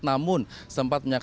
namun sempat menyatakan